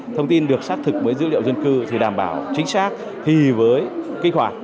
thông tin được xác thực với dữ liệu dân cư thì đảm bảo chính xác thì với kích hoạt